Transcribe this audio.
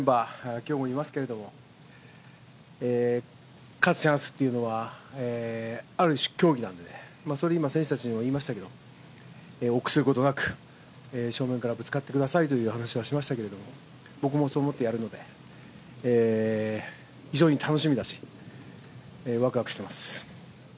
今日もいますけど、勝つチャンスというのはある競技なので、それ今、選手たちにも言いましたけど、臆することなく正面からぶつかってくださいという話はしましたけど、僕もそう思ってやるので、非常に楽しみだし、ワクワクしてます。